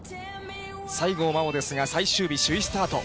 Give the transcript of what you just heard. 西郷真央ですが、最終日、首位スタート。